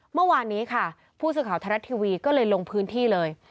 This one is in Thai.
เมื่อวานนี้ค่ะผู้สื่อข่าวไทยรัฐทีวีก็เลยลงพื้นที่เลย